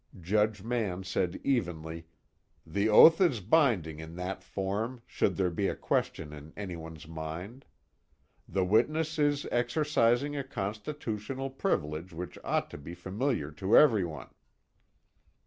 Judge Mann said evenly: "The oath is binding in that form should there be a question in anyone's mind. The witness is exercising a constitutional privilege which ought to be familiar to everyone."